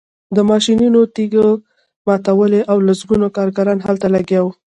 ماشینونو تیږې ماتولې او سلګونه کارګران هلته لګیا وو